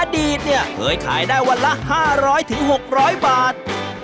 อดีตเนี่ยเคยขายได้วันละ๕๐๐๖๐๐บาท